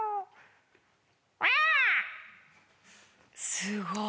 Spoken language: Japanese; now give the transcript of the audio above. すごい。